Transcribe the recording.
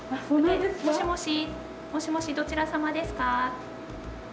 もしもし、もしもし、どちら様ですか。